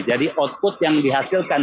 jadi output yang dihasilkan